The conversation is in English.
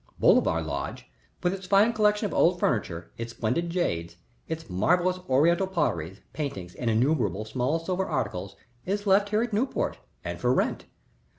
Bolivar Lodge, with its fine collection of old furniture, its splendid jades, its marvellous Oriental potteries, paintings, and innumerable small silver articles, is left here at Newport and for rent.